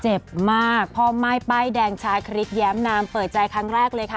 เจ็บมากพ่อม่ายป้ายแดงชาคริสแย้มนามเปิดใจครั้งแรกเลยค่ะ